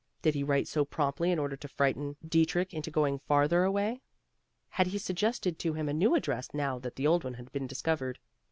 Did he write so promptly in order to frighten Dietrich into going farther away? Had he suggested to him a new address now that the old one had been discovered?